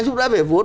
giúp đỡ về vốn